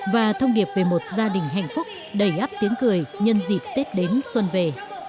và thông điệp về một gia đình hạnh phúc đầy áp tiếng cười nhân dịp tết đến xuân về